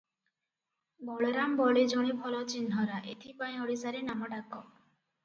ବଳରାମ ବଳେ ଜଣେ ଭଲ ଚିହ୍ନରା, ଏଥିପାଇଁ ଓଡିଶାରେ ନାମଡାକ ।